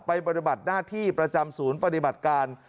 ปฏิบัติหน้าที่ประจำศูนย์ปฏิบัติการ